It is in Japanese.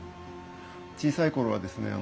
小さい頃はですね